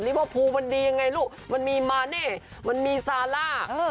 เวอร์พูลมันดียังไงลูกมันมีมาเน่มันมีซาร่า